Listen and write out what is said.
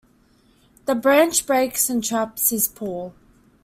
The branch breaks and traps his paw.